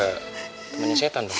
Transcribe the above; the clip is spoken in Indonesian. temennya setan dong